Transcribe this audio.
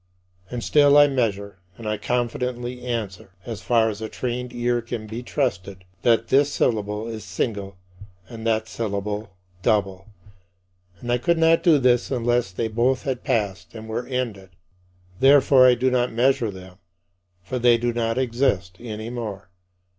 And still I measure, and I confidently answer as far as a trained ear can be trusted that this syllable is single and that syllable double. And I could not do this unless they both had passed and were ended. Therefore I do not measure them, for they do not exist any more.